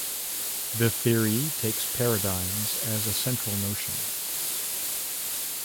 The theory takes paradigms as a central notion.